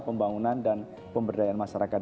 pembangunan dan pemberdayaan masyarakat